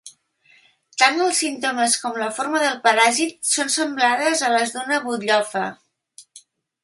Tant els símptomes com la forma del paràsit són semblades a les d'una butllofa.